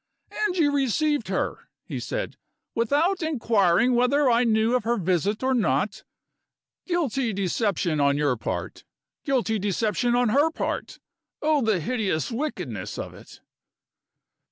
"And you received her," he said, "without inquiring whether I knew of her visit or not? Guilty deception on your part guilty deception on her part. Oh, the hideous wickedness of it!"